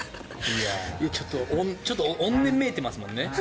ちょっと怨念めいてますもんね。